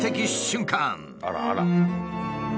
あらあら。